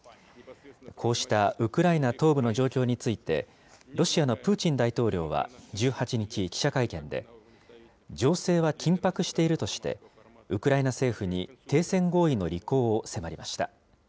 こうしたウクライナ東部の状況について、ロシアのプーチン大統領は１８日、記者会見で、情勢は緊迫しているとして、ウクライナ政府に停戦合意の履行を迫りました。